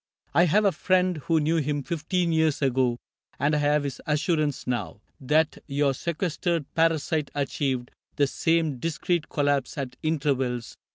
I have a friend who knew him fifteen years Ago, and I have his assurance now That your sequestered parasite achieved The same discreet collapse, at intervals.